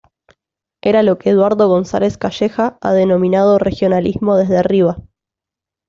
Era lo que Eduardo González Calleja ha denominado "regionalismo desde arriba".